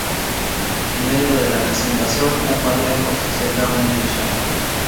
En medio de la presentación un par de ojos se clavan en ella.